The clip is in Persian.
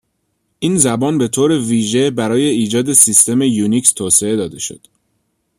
این زبان به طور ویژه برای ایجاد سیستم یونیکس توسعه داده شد.